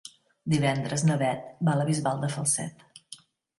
Divendres na Beth va a la Bisbal de Falset.